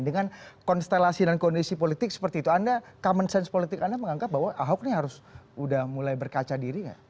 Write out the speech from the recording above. dengan konstelasi dan kondisi politik seperti itu anda common sense politik anda menganggap bahwa ahok ini harus udah mulai berkaca diri nggak